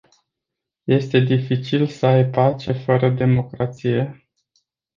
Este dificil să ai pace fără democrație.